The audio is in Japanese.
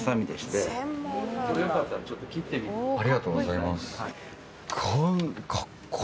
ありがとうございます。